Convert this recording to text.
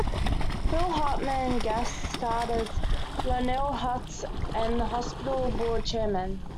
Phil Hartman guest starred as Lionel Hutz and the hospital board chairman.